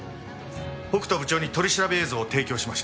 北斗部長に取り調べ映像を提供しました。